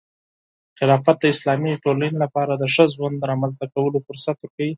خلافت د اسلامي ټولنې لپاره د ښه ژوند رامنځته کولو فرصت ورکوي.